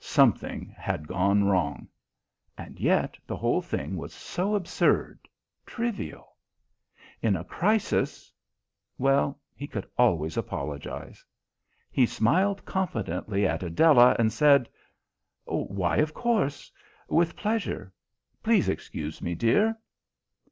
Something had gone wrong; and yet the whole thing was so absurd, trivial. In a crisis well, he could always apologize. He smiled confidently at Adela, and said: "Why, of course; with pleasure. Please excuse me, dear."